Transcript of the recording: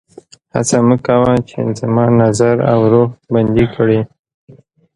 هڅه مه کوه چې زما نظر او روح بندي کړي